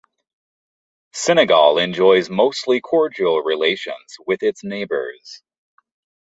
Senegal enjoys mostly cordial relations with its neighbors.